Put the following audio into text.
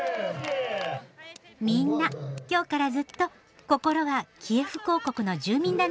みんな今日からずっと心はキエフ公国の住民だね。